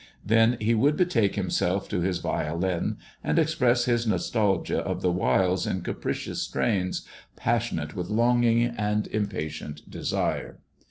Then he would betake himself to his violin, and express this nostalgia of the wilds in capricious strains, passionate with longing and impatient desire.